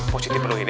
positif penuhin ya